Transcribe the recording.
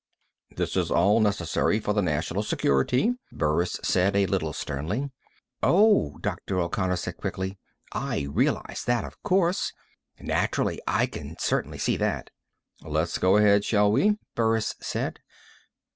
"This is all necessary for the national security," Burris said, a little sternly. "Oh," Dr. O'Connor said quickly, "I realize that, of course. Naturally. I can certainly see that." "Let's go ahead, shall we?" Burris said.